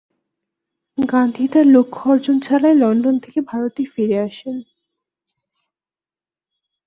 গান্ধী তাঁর লক্ষ্য অর্জন ছাড়াই লন্ডন থেকে ভারতে ফিরে আসেন।